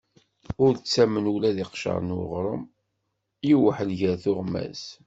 Ur ttamen ula d iqcer n uɣrum: iweḥḥel ger tuɣmas.